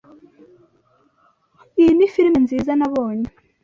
Iyi ni firime nziza nabonye.